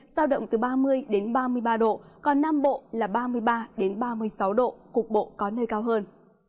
sao động từ ba mươi đến ba mươi ba độ còn nam bộ là ba mươi ba đến ba mươi sáu độ cục bộ có nơi cao hơn